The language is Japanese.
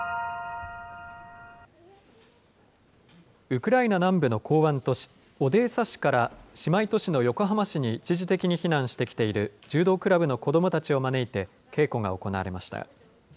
ウクライナ南部の港湾都市、オデーサ市から姉妹都市の横浜市に一時的に避難してきている柔道クラブの子どもたちを招いて稽古が行われました。